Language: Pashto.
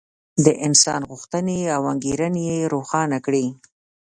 د انسان غوښتنې او انګېرنې یې روښانه کړې.